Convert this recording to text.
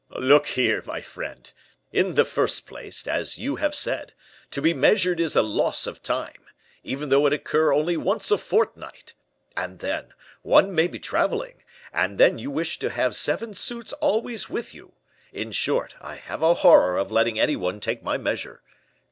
"Look here, my friend. In the first place, as you have said, to be measured is a loss of time, even though it occur only once a fortnight. And then, one may be travelling; and then you wish to have seven suits always with you. In short, I have a horror of letting any one take my measure.